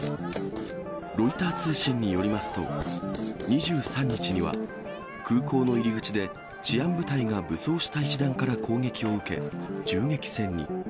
ロイター通信によりますと、２３日には、空港の入り口で、治安部隊が武装した一団から攻撃を受け、銃撃戦に。